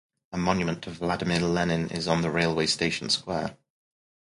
A monument to Vladimir Lenin is on the Railway Station Square.